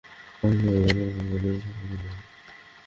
মাঝে মাঝে আমি আচার, মোরব্বা বানিয়ে বানিয়ে কিছু উপার্জন করি।